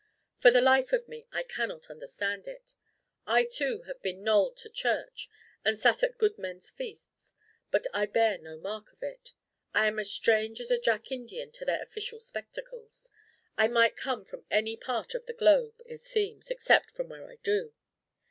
... For the life of me I cannot understand it. I too have been knolled to church, and sat at good men's feasts; but I bear no mark of it. I am as strange as a Jack Indian to their official spectacles. I might come from any part of the globe, it seems, except from where I do.